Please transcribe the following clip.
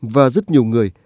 và rất nhiều người